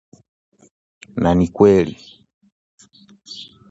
Na ni kweli